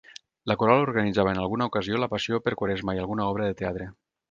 La coral organitzava en alguna ocasió La Passió per Quaresma i alguna obra de teatre.